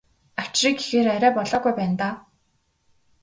Авчиръя гэхээр арай болоогүй байна даа.